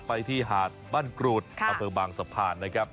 ไปที่หาดบ้านกรูดอำเภอบางสะพานนะครับ